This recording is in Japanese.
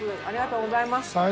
ありがとうございます。